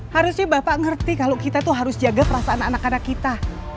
harusnya bapak ngerti kalau kita tuh harus jaga perasaan anak anak kita